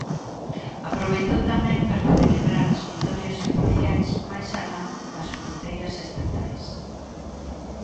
Aproveitou tamén para celebrar as vitorias xudiciais máis alá das fronteiras estatais.